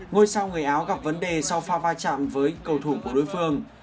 ngôi sao người áo gặp vấn đề sau pha vai trạm với cầu thủ của đối phương